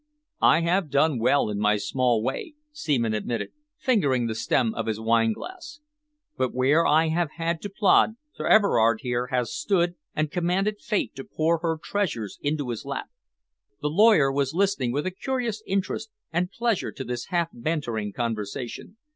"I have done well in my small way," Seaman admitted, fingering the stem of his wineglass, "but where I have had to plod, Sir Everard here has stood and commanded fate to pour her treasures into his lap." The lawyer was listening with a curious interest and pleasure to this half bantering conversation.